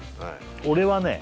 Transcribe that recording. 俺はね